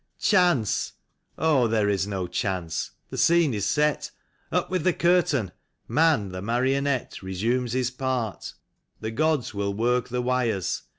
Chance ! Oh, there is no chance. The scene is set. Up with the curtain ! Man, the marionette, Eesumes his part. The gods will work the wires.